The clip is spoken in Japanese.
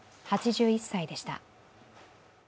８１歳でした。